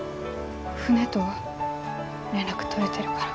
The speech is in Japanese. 船とは連絡取れてるから。